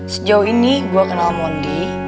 sejauh ini gue kenal mondi